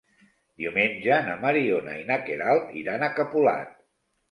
Diumenge na Mariona i na Queralt iran a Capolat.